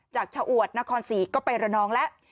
จากชะอวดนครศรีก็ไประนองแล้ว